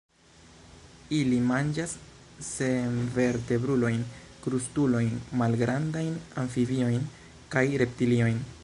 Ili manĝas senvertebrulojn, krustulojn, malgrandajn amfibiojn kaj reptiliojn.